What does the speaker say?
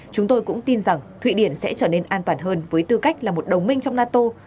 chúng tôi cũng tin rằng thụy điển sẽ trở nên an toàn hơn với tư cách là một đồng minh trong nato